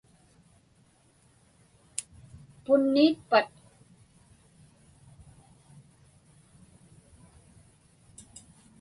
Punniitpat?